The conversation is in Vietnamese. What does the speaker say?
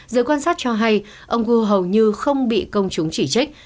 dưới quan sát cho hay ông u hầu như không bị công chúng chỉ trích